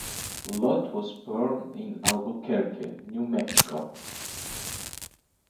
Lott was born in Albuquerque, New Mexico.